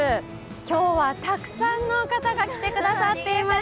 今日はたくさんの方が来てくださっています。